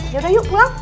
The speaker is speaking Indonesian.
yaudah yuk pulang